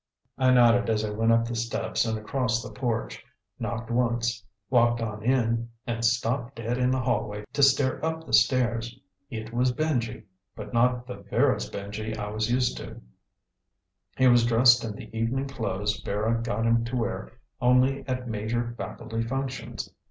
I nodded as I went up the steps and across the porch; knocked once. Walked on in and stopped dead in the hallway to stare up the stairs. It was Benji, but not the Vera's Benji I was used to. He was dressed in the evening clothes Vera got him to wear only at major faculty functions.